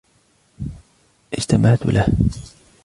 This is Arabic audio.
استمعت له.